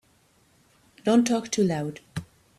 Don't talk too loud.